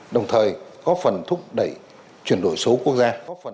đồng thời có phần thúc đẩy chuyển đổi số quốc gia